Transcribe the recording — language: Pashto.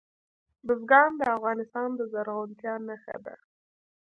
بزګان د افغانستان د زرغونتیا نښه ده.